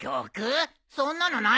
そんなのないぞ。